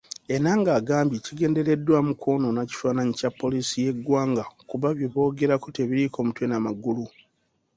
Ennanga agambye kigendereddwamu kwonoona kifaananyi kya poliisi y'eggwanga kuba byeboogera tebiriiko mutwe na magulu.